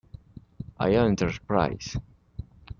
I'm Enterprise